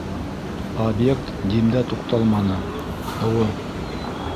Объект Димдә туҡталманы, оло